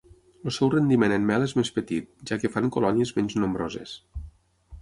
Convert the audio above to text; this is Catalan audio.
El seu rendiment en mel és més petit, ja que fan colònies menys nombroses.